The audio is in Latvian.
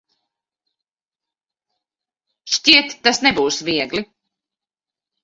Šķiet, tas nebūs viegli.